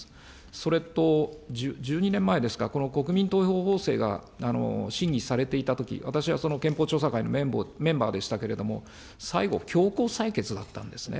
それと１２年前ですか、この国民投票法制が審議されていたとき、私はその憲法調査会のメンバーでしたけれども、最後、強行採決だったんですね。